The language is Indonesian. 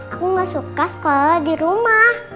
aku gak suka sekolah di rumah